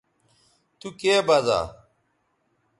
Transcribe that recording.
تو کے بزا